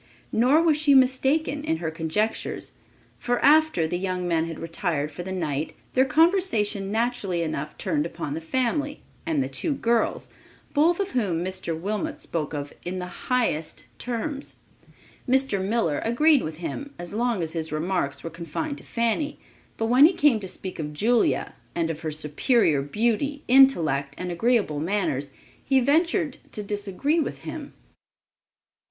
Nor was she mistaken in her conjectures, for after the young men had retired for the night, their conversation naturally enough turned upon the family and the two girls, both of whom Mr. Wilmot spoke of in the highest terms. Mr. Miller agreed with him as long as his remarks were confined to Fanny, but when he came to speak of Julia, and of her superior beauty, intellect and agreeable manners, he ventured to disagree with him.